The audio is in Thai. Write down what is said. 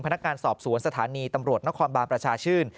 พนักงานสอบสวนสถานีตำรวจนครบาลประชาชื่น